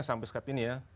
sampai sekarang ini ya